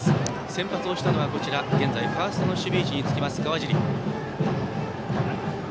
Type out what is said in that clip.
先発をしたのは現在ファーストの守備につく川尻。